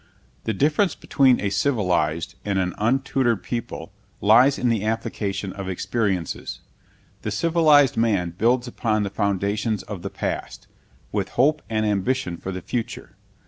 The difference between a civilized and an untutored people lies in the application of experiences. The civilized man builds upon the foundations of the past, with hope and ambition for the future.